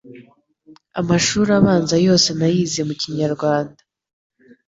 Amashuri abanza yose nayize mu Kinyarwanda